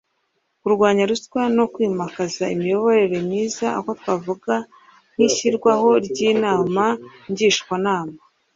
kurwanya ruswa no mu kwimakaza imiyoborere myiza aha twavuga nk ishyirwaho ry inama ngishwanama